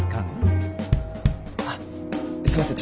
あっすいません